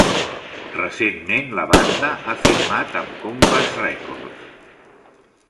Recentment la banda ha firmat amb Compass Records.